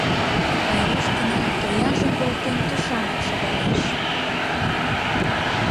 Айрушкина, тояжым волтен, тушанак шогалеш.